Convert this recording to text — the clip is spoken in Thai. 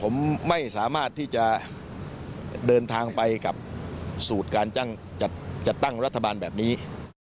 ผมไม่สามารถที่จะเดินทางไปกับสูตรการจัดตั้งรัฐบาลแบบนี้